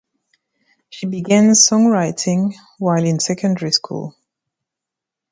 She began songwriting while in secondary school.